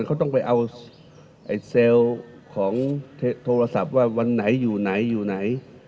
เขาต้องไปเอาเซลล์ของโทรศัพท์ว่าวันไหนอยู่ไหนอยู่ไหน